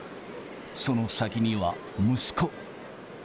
その先には、息子。